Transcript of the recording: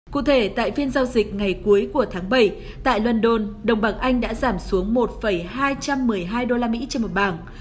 cụ thể tại phiên giao dịch ngày cuối của tháng bảy tại london đồng bằng anh đã giảm xuống một hai trăm một mươi hai usd trên một bảng